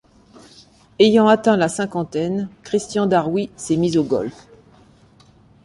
Ayant atteint la cinquantaine, Christian Darrouy s'est mis au golf.